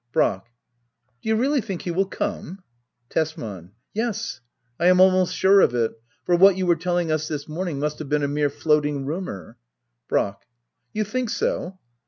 Brack. Do you really think he will come ? Tesman. Yes, I am almost sure of it For what you were telling us this morning must have been a mere floating rumour. Brack. You think so